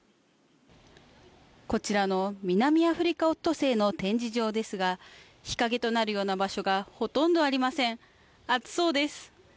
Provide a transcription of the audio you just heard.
こちらの南アフリカオットセイの展示場ですが日陰となるような場所がほとんどありません。